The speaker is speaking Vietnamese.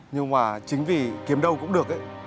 nhưng mà chính vì kiếm đâu cũng được ấy